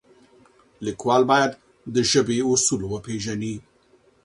لیکوال باید د ژبې اصول وپیژني.